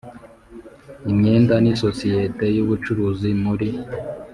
Imyenda n isosiyete y ubucuruzi muri